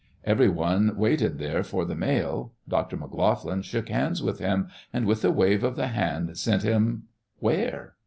Everyone waited there for the mail. Dr. McLoughlin shook hands with him, and with a wave of the hand sent him — where?